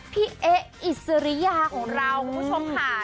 พี่เอ๊อิสริยาค่ะค่ะมรู้ชมคะ